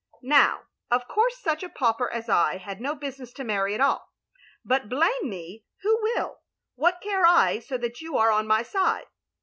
*'Now, of course such a pauper as I had no business to marry at all, but blame me who will, what care I, so thai you are on my side?